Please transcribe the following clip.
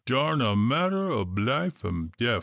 'Tarn a matter ob life an' def."